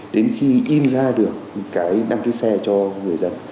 đến khi in ra được cái đăng ký xe cho người dân